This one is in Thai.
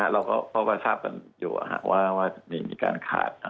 เราก็ทราบกันอยู่ว่ามีการขาด